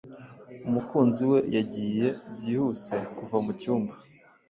Umukunzi we yagiye Byihuse kuva mucyumba